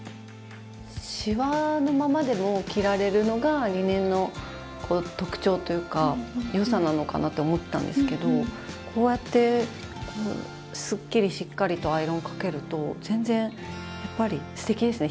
シワのままでも着られるのがリネンのこう特長というか良さなのかなって思ったんですけどこうやってスッキリしっかりとアイロンをかけると全然やっぱりすてきですね